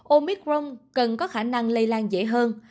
omicron cần có khả năng lây lan dễ hơn